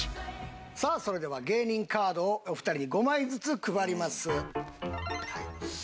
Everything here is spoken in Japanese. さあそれでは芸人カードをお二人に５枚ずつ配ります。